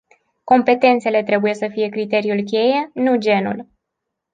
Competențele trebuie să fie criteriul-cheie, nu genul.